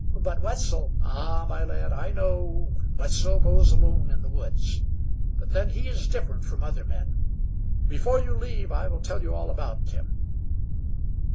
"But Wetzel " "Ah, my lad, I know Wetzel goes alone in the woods; but then, he is different from other men. Before you leave I will tell you all about him."